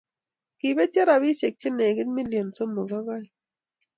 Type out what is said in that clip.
Kibetyo robishe che legit milionit sosom ak oeng.